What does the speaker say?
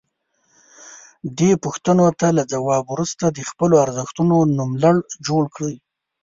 دې پوښتنو ته له ځواب وروسته د خپلو ارزښتونو نوملړ جوړ کړئ.